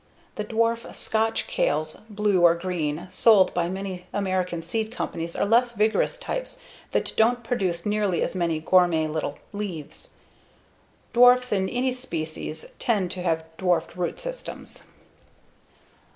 The dwarf "Scotch" kales, blue or green, sold by many American seed companies are less vigorous types that don't produce nearly as many gourmet little leaves. Dwarfs in any species tend to have dwarfed root systems.